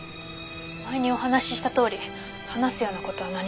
前にお話ししたとおり話すような事は何も。